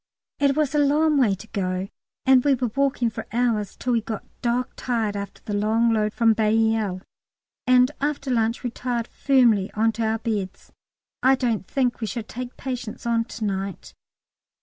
It was a long way to go, and we were walking for hours till we got dog tired after the long load from Bailleul, and after lunch retired firmly on to our beds. I don't think we shall take patients on to night.